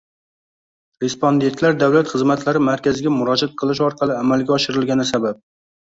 respondentlar davlat xizmatlari markaziga murojaat qilish orqali amalga oshirilgani sabab